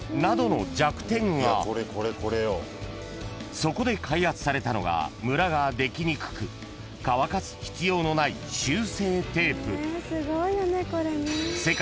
［そこで開発されたのがむらができにくく乾かす必要のない修正テープ］